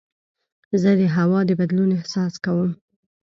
زه د هوا د بدلون احساس کوم.